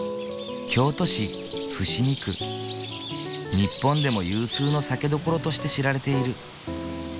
日本でも有数の酒どころとして知られている。